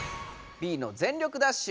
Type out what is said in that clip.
Ｂの「全力ダッシュ」。